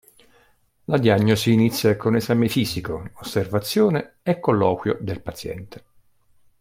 La diagnosi inizia con esame fisico, osservazione e colloquio del paziente.